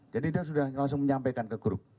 jadi dia sudah langsung menyampaikan ke grup